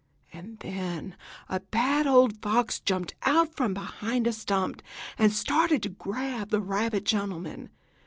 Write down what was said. And then a bad old fox jumped out from behind a stump, and started to grab the rabbit gentleman.